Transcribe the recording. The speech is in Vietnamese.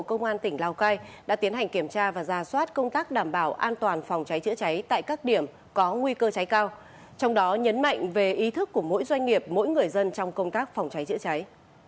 công an tỉnh lào cai đã tiến hành kiểm tra và ra soát công tác đảm bảo an toàn phòng cháy chữa cháy tại các điểm có nguy cơ cháy cao trong đó nhấn mạnh về ý thức của mỗi doanh nghiệp mỗi người dân trong công tác phòng cháy chữa cháy